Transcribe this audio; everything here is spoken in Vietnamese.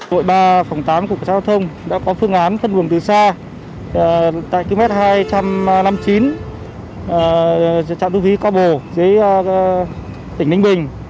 đội ba phòng tám cục cảnh sát giao thông đã có phương án phân luồng từ xa tại km hai trăm năm mươi chín trạm thu phí co bồ dưới tỉnh ninh bình